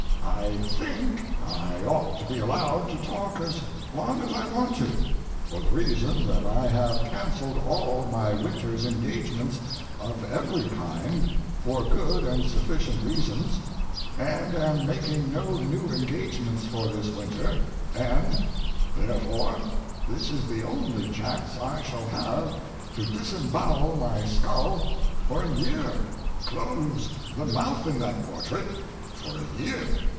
I think I ought to be allowed to talk as long as I want to, for the reason that I have cancelled all my winter's engagements of every kind, for good and sufficient reasons, and am making no new engagements for this winter, and, therefore, this is the only chance I shall have to disembowel my skull for a year—close the mouth in that portrait for a year.